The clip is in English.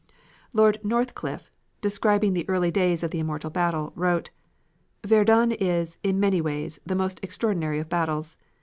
Lord Northcliffe, describing the early days of the immortal battle, wrote: "Verdun is, in many ways, the most extraordinary of battles.